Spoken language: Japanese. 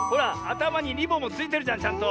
たまにリボンもついてるじゃんちゃんと。